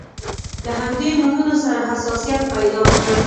له همدې نومونو سره حساسیت پیدا کړ.